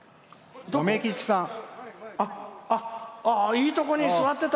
あ、いいとこに座ってた。